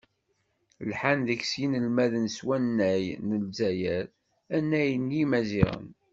Lḥan deg-s yinelmaden s wannay n Lezzayer, annay n yimaziɣen.